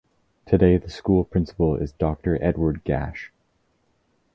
Today the school Principal is Doctor Edward Gash.